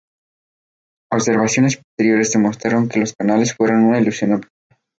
Observaciones posteriores demostraron que los canales fueron una ilusión óptica.